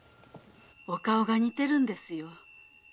お顔が似てるんですよ。